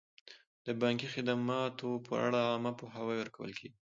د بانکي خدماتو په اړه عامه پوهاوی ورکول کیږي.